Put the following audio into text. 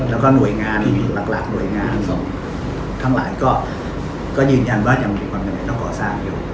แล้วก็หน่วยงานหลักหน่วยงานของทั้งหลายก็ยืนยันว่ายังมีความจำเป็นต้องก่อสร้างอยู่